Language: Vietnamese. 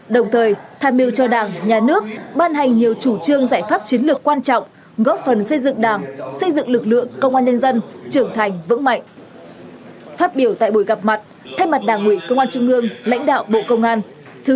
đồng thời tham mưu cho đảng nhà nước ban hành nhiều chủ trương giải pháp chiến lược quan trọng góp phần xây dựng đảng xây dựng lực lượng công an nhân dân trưởng thành vững mạnh